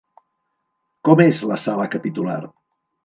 Com és la sala capitular?